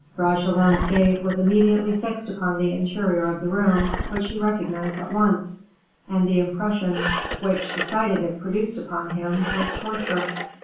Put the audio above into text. Bragelonne's gaze was immediately fixed upon the interior of the room, which he recognized at once; and the impression which the sight of it produced upon him was torture.